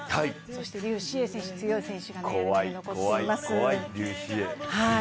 そして劉詩穎選手、強い選手が残っています。